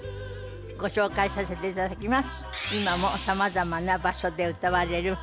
ご紹介させて頂きます。